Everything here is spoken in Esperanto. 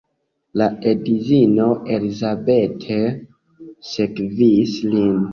La edzino Elizabeth sekvis lin.